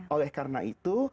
oleh karena itu